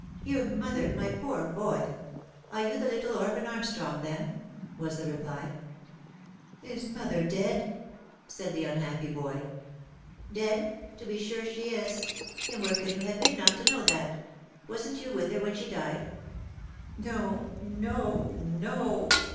" Your mother, my poor boy ? Are you the little orphan Armstrong, then ?" was the reply. " Is mother dead V said the unhappy boy. " Dead ? to be sure she is. And where can you have been not to know that ? Wasn't you with her, when she died V " No, no, no